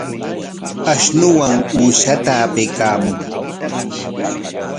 Ashunuwan uqshata apaykaamun.